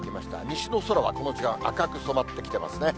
西の空はこの時間、赤く染まってきてますね。